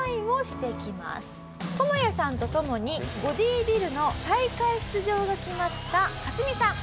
トモヤさんとともにボディビルの大会出場が決まったカツミさん。